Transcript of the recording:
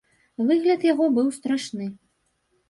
Выгляд яго быў страшны.